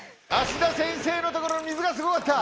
芦田先生のところの水がすごかった。